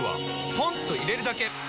ポンと入れるだけ！